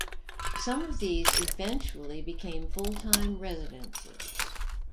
Some of these eventually became full-time residences.